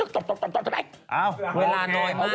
เวลาน้อยมากเลยวันนี้